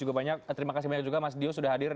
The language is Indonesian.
juga banyak terima kasih banyak juga mas dio sudah hadir